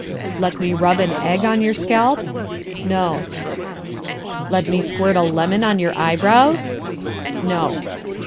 "Let me rub an egg on your scalp?" "No." "Let me squirt a lemon on your eyebrows?" "No."